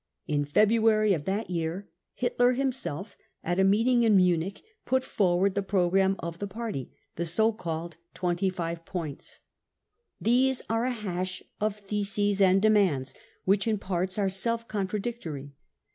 In February of that year Hitler him self, at a meeting in Munich, put forward the programme \ the party, the so called 25 points. These are a hash of theses and demands which in parts are self contradictory.